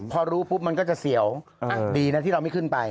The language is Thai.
พอรู้ปุ๊บมันก็จะเสียวดีนะที่เราไม่ขึ้นไป